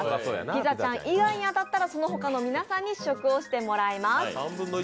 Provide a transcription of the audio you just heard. ピザちゃん以外が当たったらその他の皆さんに試食してもらいます。